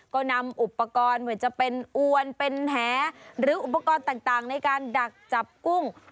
ก็นำอุปกรณ์ไม่ว่าจะเป็นอวนเป็นแหหรืออุปกรณ์ต่างในการดักจับกุ้ง